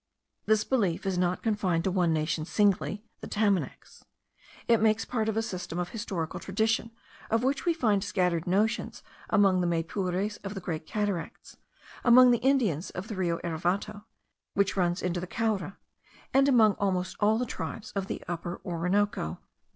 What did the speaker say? This belief is not confined to one nation singly, the Tamanacs; it makes part of a system of historical tradition, of which we find scattered notions among the Maypures of the great cataracts; among the Indians of the Rio Erevato, which runs into the Caura; and among almost all the tribes of the Upper Orinoco.